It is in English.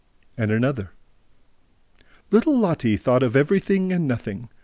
And another: "Little Lotte thought of everything and nothing.